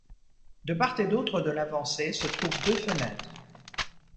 De part et d'autre de l'avancée se trouvent deux fenêtres.